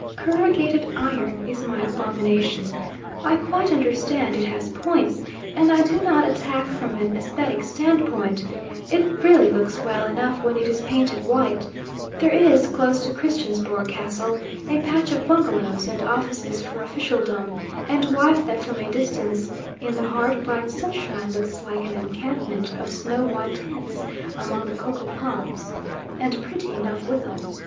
Corrugated iron is my abomination. I quite understand it has points, and I do not attack from an aesthetic standpoint. It really looks well enough when it is painted white. There is, close to Christiansborg Castle, a patch of bungalows and offices for officialdom and wife that from a distance in the hard bright sunshine looks like an encampment of snow white tents among the coco palms, and pretty enough withal.